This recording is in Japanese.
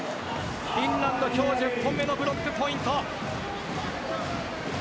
フィンランド、今日１０本目のブロックポイント。